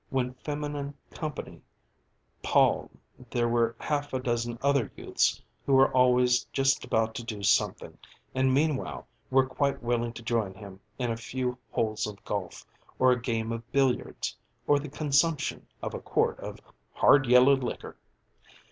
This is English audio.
When feminine company palled there were half a dozen other youths who were always just about to do something, and meanwhile were quite willing to join him in a few holes of golf, or a game of billiards, or the consumption of a quart of "hard yella licker."